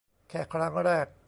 แค่ครั้งแรก